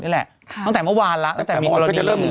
นี่แหละค่ะตั้งแต่เมื่อวานล่ะตั้งแต่มีปัจจุจะเริ่มมี